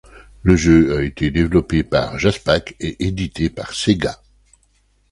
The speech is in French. Le jeu a été développé par Jaspac et édité par Sega.